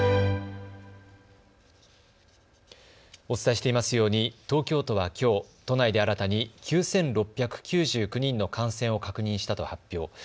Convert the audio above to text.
お伝えしていますように東京都はきょう都内で新たに９６９９人の感染を確認したと発表。